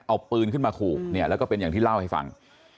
เอาปืนขึ้นมาขู่เนี่ยแล้วก็เป็นอย่างที่เล่าให้ฟัง